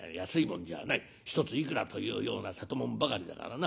一ついくらというような瀬戸物ばかりだからな